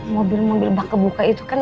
mobil mobil bak kebuka itu kan